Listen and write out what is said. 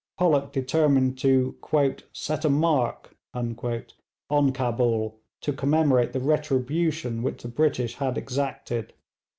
Pollock determined to 'set a mark' on Cabul to commemorate the retribution which the British had exacted.